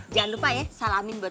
jangan lupa ya salamin buat